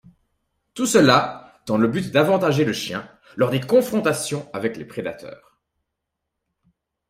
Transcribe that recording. Tout cela dans le but d'avantager le chien lors des confrontations avec les prédateurs.